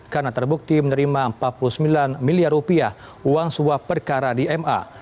karena terbukti menerima rp empat puluh sembilan miliar uang sebuah perkara di ma